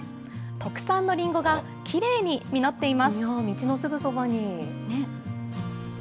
特産のりんごがきれいに実っています。